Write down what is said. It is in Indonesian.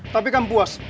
tapi kamu puas